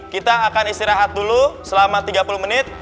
kita akan istirahat dulu selama tiga puluh menit